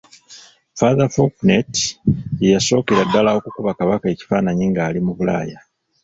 Father Fouquenet ye yasookera ddala okukuba Kabaka ekifaananyi ng'ali mu Bulaaya.